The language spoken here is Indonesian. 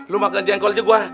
lo makan jengkol aja gue